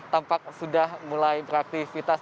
tampak sudah mulai beraktivitas